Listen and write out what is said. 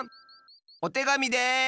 おてがみです！